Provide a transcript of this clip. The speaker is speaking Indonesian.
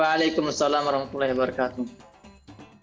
waalaikumussalam warahmatullah wabarakatuh